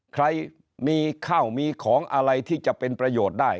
ใครมีข้าวมีของอะไรที่จะเป็นประโยชน์ได้